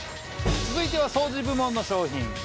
続いては掃除部門の商品。